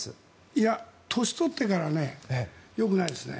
いや、年を取ってからよくないですね。